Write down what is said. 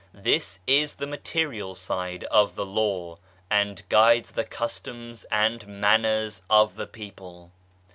This is the material side of the law, and guides the customs and manners of the people.